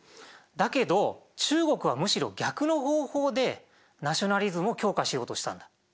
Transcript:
だけど中国はむしろ逆の方法でナショナリズムを強化しようとしたんだ。